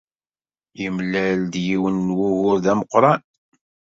Yemlal-d yiwen n wugur d ameqran.